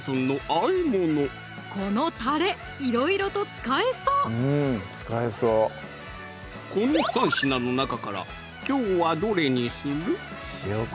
このたれいろいろと使えそうこの３品の中からきょうはどれにする？